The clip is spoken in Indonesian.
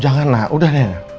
jangan mak udah nenek